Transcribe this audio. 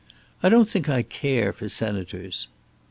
I don't think I care for senators."